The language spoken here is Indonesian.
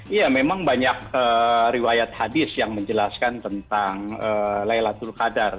iya memang banyak riwayat hadis yang menjelaskan tentang laylatul qadar